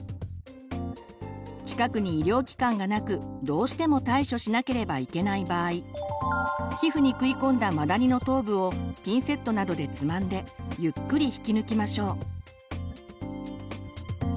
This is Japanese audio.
近くに医療機関がなくどうしても対処しなければいけない場合皮膚に食い込んだマダニの頭部をピンセットなどでつまんでゆっくり引き抜きましょう。